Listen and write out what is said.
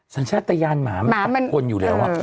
สัญชาติยานหมามันกับคนอยู่แล้ว